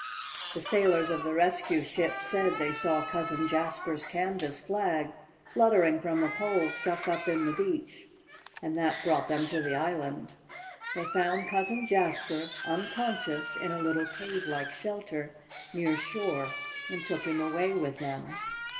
The sailors of the rescue ship said they saw Cousin Jasper's canvas flag fluttering from a pole stuck up in the beach, and that brought them to the island. They found Cousin Jasper, unconscious, in a little cave like shelter near shore, and took him away with them."